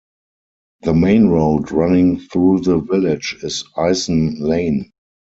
The main road running through the village is Icen Lane.